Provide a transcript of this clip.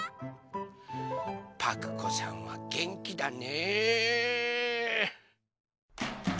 パクこさんはげんきだね！